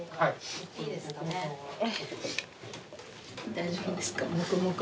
大丈夫ですか？